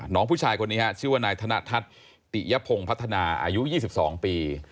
น้องผู้ชายคนนี้ชื่อว่านายธนทัศน์ติยพงศ์พัฒนาอายุ๒๒ปี